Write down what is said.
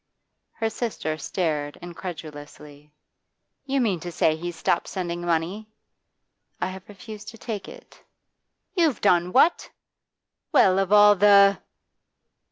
Her sister stared incredulously. 'You mean to say he's stopped sending money?' 'I have refused to take it.' 'You've done what? Well, of all the